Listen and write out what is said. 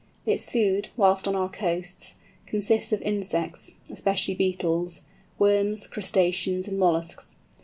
Its food, whilst on our coasts, consists of insects (especially beetles), worms, crustaceans, and molluscs.